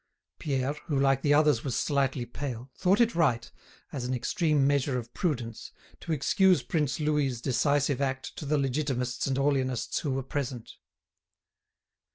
Pierre, who like the others was slightly pale, thought it right, as an extreme measure of prudence, to excuse Prince Louis's decisive act to the Legitimists and Orleanists who were present.